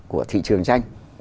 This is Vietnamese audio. của thị trường tranh